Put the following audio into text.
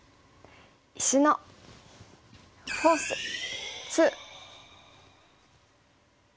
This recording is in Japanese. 「石のフォース２」。